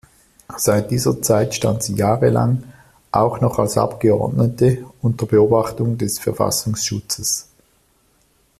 Seit dieser Zeit stand sie jahrelang, auch noch als Abgeordnete, unter Beobachtung des Verfassungsschutzes.